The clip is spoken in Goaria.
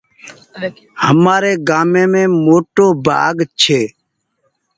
همآري گھاميم موٽو بآگ ڇي